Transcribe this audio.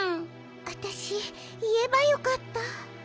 わたしいえばよかった。